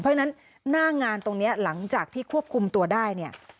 เพราะฉะนั้นหน้างานตรงนี้หลังจากที่ควบคุมตัวได้เนี่ย